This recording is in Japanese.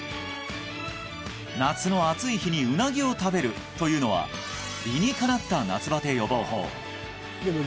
夏の暑い日にウナギを食べるというのは理にかなった夏バテ予防法